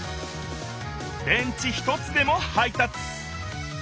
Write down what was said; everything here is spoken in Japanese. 電池一つでも配達。